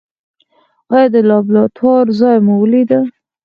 ایا د لابراتوار ځای مو ولید؟